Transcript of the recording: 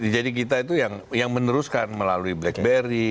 jadi kita itu yang meneruskan melalui blackberry